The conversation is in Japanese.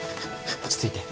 落ち着いて。